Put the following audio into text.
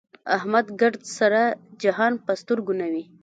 احمد ګردسره جهان په سترګو نه وي.